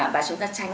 và chúng ta tránh